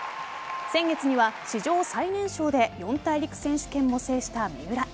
先月には史上最年少で四大陸選手権も制した三浦。